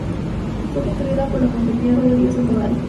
Fue construida por la compañía Rodríguez Sandoval.